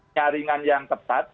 nyaringan yang tepat